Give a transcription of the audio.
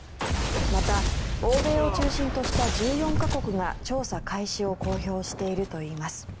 また欧米を中心とした１４か国が調査開始を公表しているといいます。